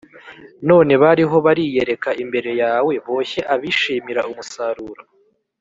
none bariho bariyereka imbere yawe, boshye abishimira umusaruro,